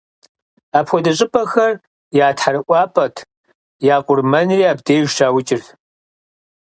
Апхуэдэ щӀыпӀэхэр я тхьэрыӀуапӀэт, я къурмэнри абдежым щаукӀырт.